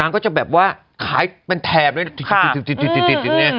นางก็จะแบบว่าขายเป็นแถมเลยติดตรงนี้